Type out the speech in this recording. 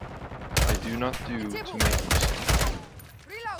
I do not do to make myself.